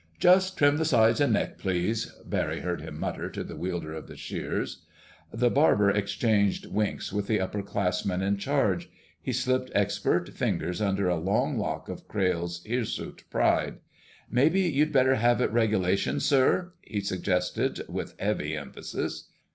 "Just trim the sides and neck, please," Barry heard him mutter to the wielder of the shears. The barber exchanged winks with the upperclassman in charge. He slipped expert fingers under a long lock of Crayle's hirsute pride. "Maybe you'd better have it regulation, sir," he suggested with heavy emphasis.